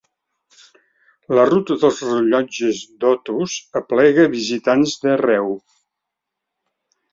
La ruta dels rellotges d'Otos aplega visitants d'arreu.